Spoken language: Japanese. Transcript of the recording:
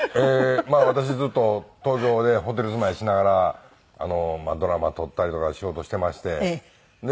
私ずっと東京でホテル住まいしながらドラマ撮ったりとか仕事してまして。